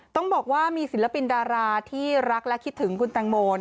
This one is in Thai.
ต้องบอกว่ามีศิลปินดาราที่รักและคิดถึงคุณแตงโม